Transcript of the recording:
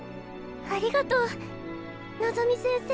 ありがとうのぞみ先生。